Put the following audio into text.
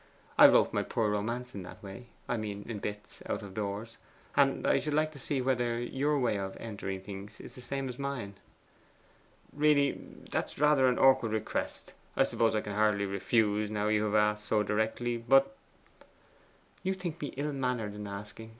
'I wrote my poor romance in that way I mean in bits, out of doors and I should like to see whether your way of entering things is the same as mine.' 'Really, that's rather an awkward request. I suppose I can hardly refuse now you have asked so directly; but ' 'You think me ill mannered in asking.